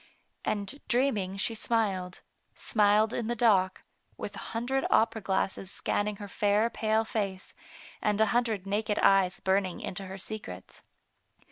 And dreaming she smiled, smiled in the dock, with a hundred opera glasses scanning her fair pale face, and a hundred naked eyes burning into her secrets.